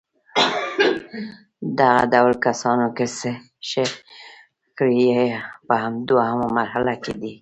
دغه ډول کسانو که څه ښه کړي په دوهمه مرحله کې دي.